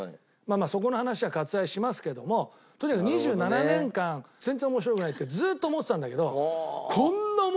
そこの話は割愛しますけどもとにかく２７年間全然面白くないってずーっと思ってたんだけど。